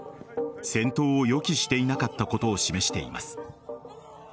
戦闘を予期していなかったことを示しています。